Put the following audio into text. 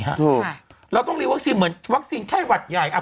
ครับใช่เราต้องเหมือนวัคซีนแค่หวัดใหญ่อ่า